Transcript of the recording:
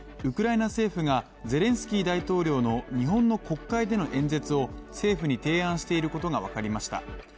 ウクライナ政府がゼレンスキー大統領の日本の国会での演説を政府に提案していることが分かりました。